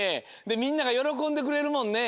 みんながよろこんでくれるもんね。